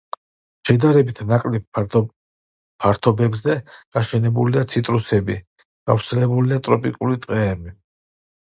შედარებით ნაკლებ ფართობებზე გაშენებულია ციტრუსები, გავრცელებულია ტროპიკული ტყეები.